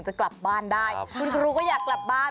จะกลับบ้านได้คุณครูก็อยากกลับบ้าน